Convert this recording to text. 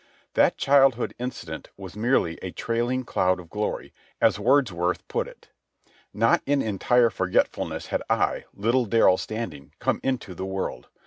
That childhood incident was merely a trailing cloud of glory, as Wordsworth puts it. Not in entire forgetfulness had I, little Darrell Standing, come into the world.